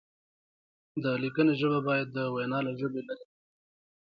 د لیکنې ژبه باید د وینا له ژبې لرې نه وي.